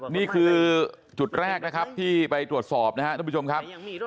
นี่คือจุดแรกที่ไปตรวจสอบนะครับทุกผู้ชมครับ